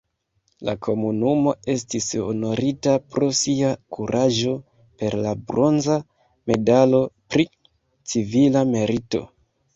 La komunumo estis honorita pro sia kuraĝo per la bronza medalo pri civila merito.